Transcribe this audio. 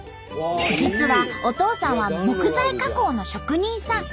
実はお父さんは木材加工の職人さん。